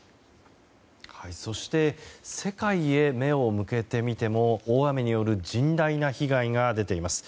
そして世界へ目を向けてみても大雨による甚大な被害が出ています。